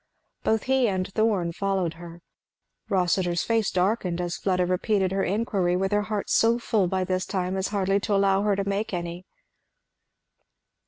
Both he and Thorn followed her. Rossitur's face darkened as Fleda repeated her inquiry, her heart so full by this time as hardly to allow her to make any.